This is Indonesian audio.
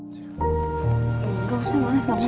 jangan lupa like share dan subscribe